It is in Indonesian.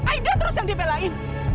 aida terus yang dibelain